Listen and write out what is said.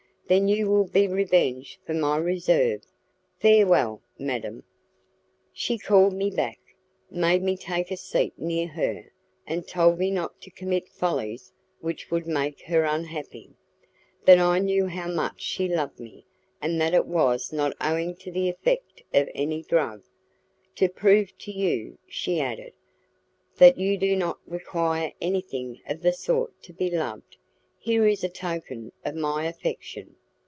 Then you will be revenged for my reserve. Farewell, madam." She called me back, made me take a seat near her, and told me not to commit follies which would make her unhappy; that I knew how much she loved me, and that it was not owing to the effect of any drug. "To prove to you," she added, "that you do not require anything of the sort to be loved, here is a token of my affection."